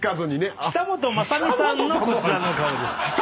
久本雅美さんのこちらの顔です。